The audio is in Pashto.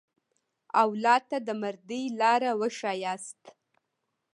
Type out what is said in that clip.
اولاد ته د مردۍ لاره وښیاست.